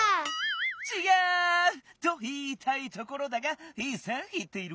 ちがう！といいたいところだがいいせんいっている。